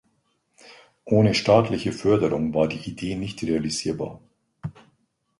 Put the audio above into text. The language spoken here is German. Ohne staatlicher Förderung war die Idee nicht realisierbar.